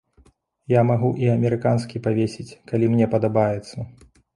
Я магу і амерыканскі павесіць, калі мне падабаецца.